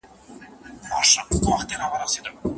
موږ ته خو د خپلو پښو صفت بې هوښه شوی دی